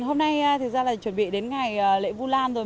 hôm nay thực ra là chuẩn bị đến ngày lễ vu lan rồi